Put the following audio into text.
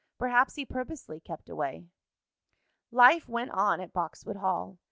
Perhaps he purposely kept away. Life went on at Boxwood Hall.